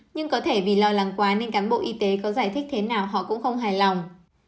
nhưng có thể vì lo lắng quá nên cán bộ y tế có giải thích thế nào họ cũng không hài lòng